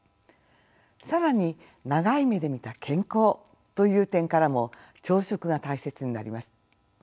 更に長い目で見た健康という点からも朝食が大切になります。